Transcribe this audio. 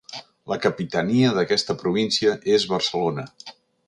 La capitania d'aquesta província és Barcelona.